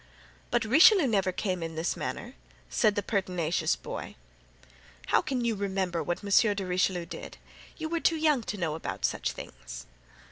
"But Richelieu never came in this manner," said the pertinacious boy. "How can you remember what Monsieur de Richelieu did? You were too young to know about such things."